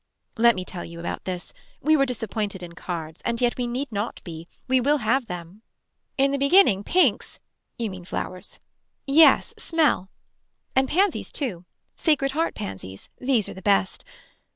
Let me tell you about this. We were disappointed in cards. And yet we need not be. We will have them. In the beginning pinks you mean flowers yes smell. And pansies too. Sacred heart pansies. These are the best.